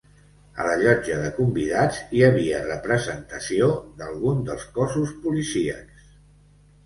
A la llotja de convidats hi havia representació d’alguns dels cossos policíacs.